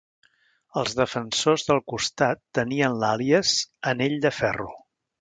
Els defensors del costat tenien l"àlies "anell de ferro".